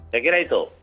saya kira itu